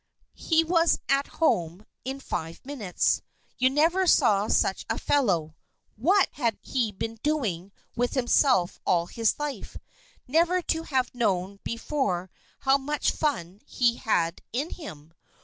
He was at home in five minutes. You never saw such a fellow. What had he been doing with himself all his life, never to have known before how much fun he had in him!